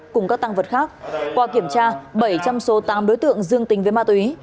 cùng các tăng vật khác qua kiểm tra bảy trong số tám đối tượng dương tình với ma túy